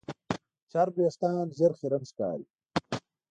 چرب وېښتيان ژر خیرن ښکاري.